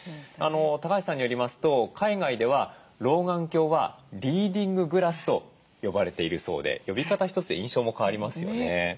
橋さんによりますと海外では老眼鏡はリーディンググラスと呼ばれているそうで呼び方一つで印象も変わりますよね。